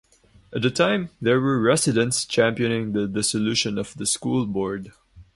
At the time there were residents championing the dissolution of the school board.